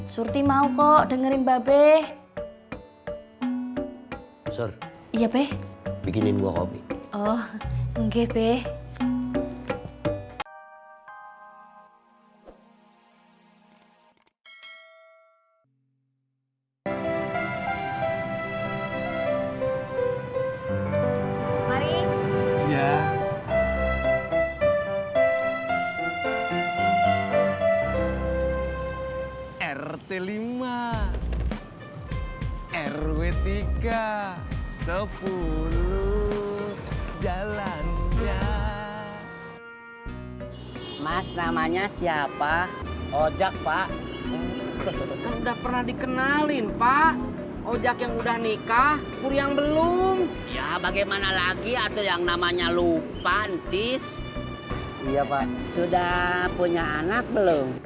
surti mau kok dengerin mba be